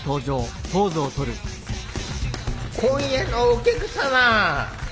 今夜のお客様！